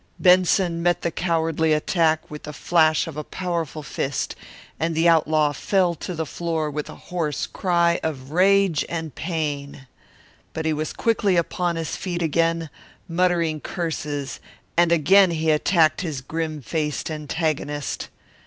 Benson met the cowardly attack with the flash of a powerful fist, and the outlaw fell to the floor with a hoarse cry of rage and pain. But he was quickly upon his feet again, muttering curses, and again he attacked his grim faced antagonist.